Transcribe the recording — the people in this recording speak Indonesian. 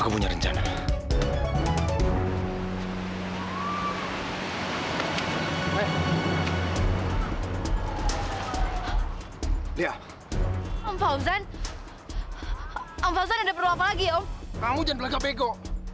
kamu jangan berlagak bego